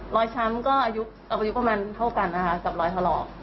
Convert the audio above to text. ช้ำก็อายุประมาณเท่ากันนะคะกับรอยถลอก